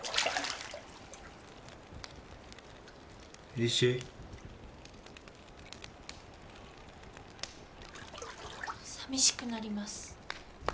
石？さみしくなります